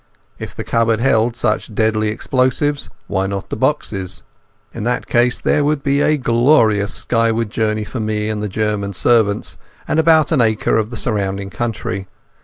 If the cupboard held such deadly explosives, why not the boxes? In that case there would be a glorious skyward journey for me and the German servants and about an acre of surrounding country.